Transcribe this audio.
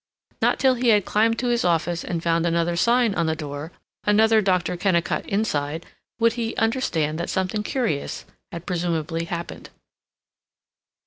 Not till he had climbed to his office and found another sign on the door, another Dr. Kennicott inside, would he understand that something curious had presumably happened.